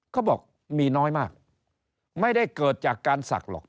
เขาบอกมีน้อยมากไม่ได้เกิดจากการศักดิ์หรอก